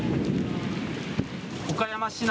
岡山市内